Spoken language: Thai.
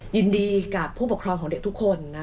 ยินดีกับผู้ปกครองของเด็กทุกคน